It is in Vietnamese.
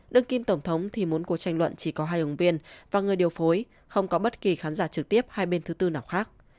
đương kim tổng thống thì muốn cuộc tranh luận chỉ có hai ứng viên và người điều phối không có bất kỳ khán giả trực tiếp hai bên thứ tư nào khác